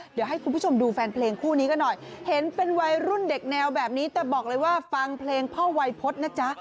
เดี๋ยวให้คุณผู้ชมดูแฟนเพลงคู่นี้ก็หน่อยเห็นเป็นวัยรุ่นเด็กแนวแบบนี้แต่บอกเลยว่าฟังเพลงพ่อวัยพฤษนะจ๊ะ